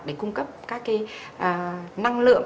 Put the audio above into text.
để cung cấp các cái năng lượng